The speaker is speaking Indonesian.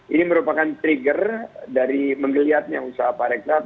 ini merupakan trigger dari menggeliatnya usaha parekraf